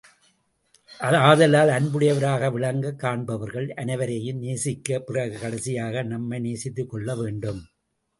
ஆதலால் அன்புடையவராக விளங்க, காண்பவர்கள் அனைவரையும் நேசித்த பிறகு கடைசியாக நம்மை நேசித்துக் கொள்ள வேண்டும்.